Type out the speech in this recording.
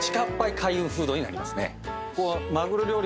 開運フードになりますね。